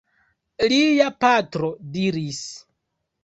Lia patro diris.